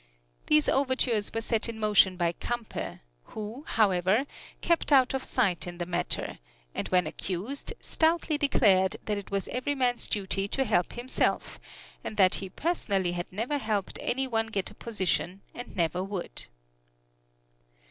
These overtures were set in motion by Campe, who, however, kept out of sight in the matter, and when accused, stoutly declared that it was every man's duty to help himself, and that he personally had never helped any one get a position and never would.